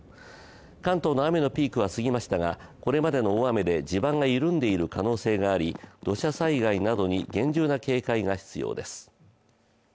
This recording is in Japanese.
関東の雨のピークは過ぎましたが、これまでの大雨で地盤が緩んでいる可能性があり土砂災害などに厳重な警戒が必要です。